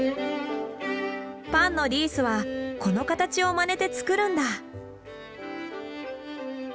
パンのリースはこの形をまねて作るんだ。